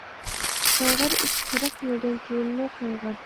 قىڭغىر ئىش قىرىق يىلدىن كېيىنمۇ قىڭغىر.